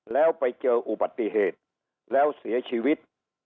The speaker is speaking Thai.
แล้วไปเจออุบัติเหตุแล้วเสียชีวิต